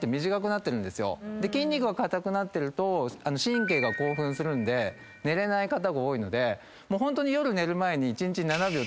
筋肉がかたくなってると神経が興奮するんで寝れない方が多いのでホントに夜。